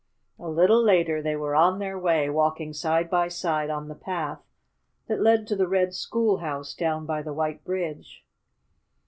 A little later they were on their way, walking side by side on the path that led to the red school house down by the white bridge.